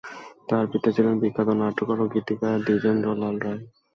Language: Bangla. তার পিতা ছিলেন বিখ্যাত নাট্যকার ও গীতিকার দ্বিজেন্দ্রলাল রায়।